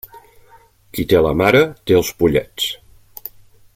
Qui té la mare, té els pollets.